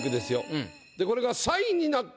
これが。